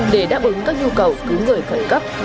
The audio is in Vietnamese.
để đáp ứng các nhu cầu cứu người khẩn cấp